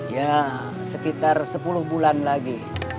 ya sekitar sepuluh bulan lagi